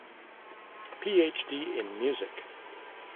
PhD in music.